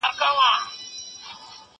يو وزير به يې مين وو پر رنگونو